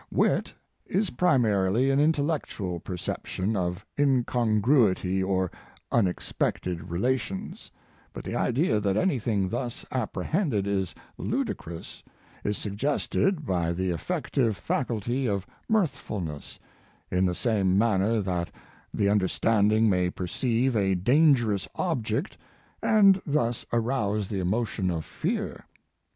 Wit is primarily an intel lectual perception of incongruity or un expected relations, but the idea that any thing thus apprehended is ludicrous is suggested by the affective faculty of mirthfulness, in the same manner that the understanding may perceive a" dan gerous object and thus arouse the emotion of fear.